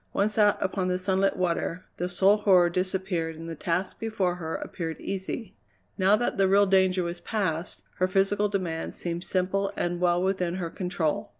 Once out upon the sunlit water the soul horror disappeared and the task before her appeared easy. Now that the real danger was past, her physical demands seemed simple and well within her control.